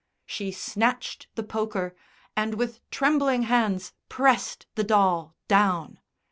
She snatched the poker, and with trembling hands pressed the doll down.